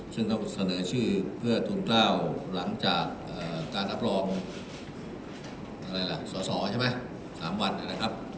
ซึ่งต้องเสนอชื่อเพื่อทุนกล้าวหลังจากการรับรองสอใช่ไหม๓วันนะครับ